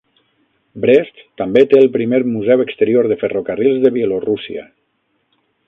Brest també té el primer museu exterior de ferrocarrils de Bielorússia.